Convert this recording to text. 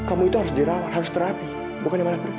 kamu itu harus dirawat harus terapi bukan di mana pergi